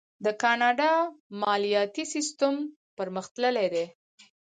د کاناډا مالیاتي سیستم پرمختللی دی.